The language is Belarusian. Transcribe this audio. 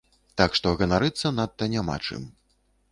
Так што ганарыцца надта няма чым.